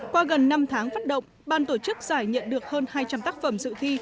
qua gần năm tháng phát động ban tổ chức giải nhận được hơn hai trăm linh tác phẩm dự thi